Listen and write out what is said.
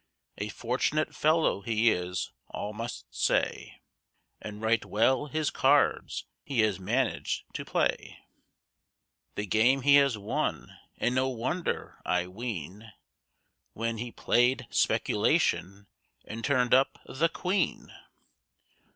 A fortunate fellow he is, all must say, And right well his cards he has managed to play; The game he has won, and no wonder, I ween, When he play'd "speculation" and turn'd up "The Queen."